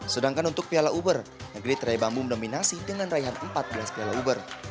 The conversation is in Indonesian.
sedangkan untuk piala uber negeri terai bambu mendominasi dengan raihan empat belas piala uber